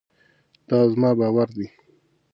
دا زما باور دی.